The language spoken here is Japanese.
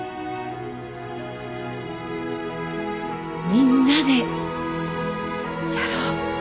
みんなでやろう。